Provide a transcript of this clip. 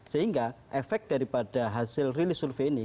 sehingga efek daripada hasil rilis survei ini